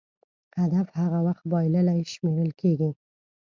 هدف هغه وخت بایللی شمېرل کېږي.